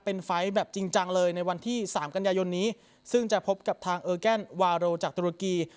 เป็นไฟล์แบบจริงจังเลยในวันที่สามกันยายนนี้ซึ่งจะพบกับทางเออร์แกนวาโรจากตุรกี